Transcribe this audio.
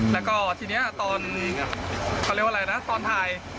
แล้วก็ทีนี้ตอนเขาเรียกว่าอะไรนะตอนถ่าย